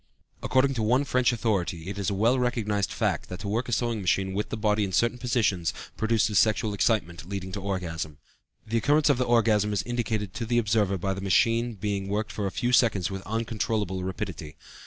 According to one French authority, it is a well recognized fact that to work a sewing machine with the body in a certain position produces sexual excitement leading to the orgasm. The occurrence of the orgasm is indicated to the observer by the machine being worked for a few seconds with uncontrollable rapidity.